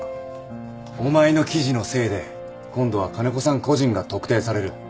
お前の記事のせいで今度は金子さん個人が特定される。